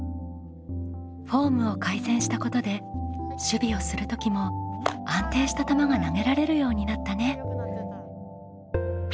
フォームを改善したことで守備をする時も安定した球が投げられるようになったね。